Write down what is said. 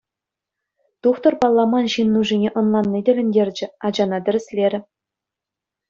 Тухтӑр палламан ҫын нушине ӑнланни тӗлӗнтерчӗ, ачана тӗрӗслерӗ.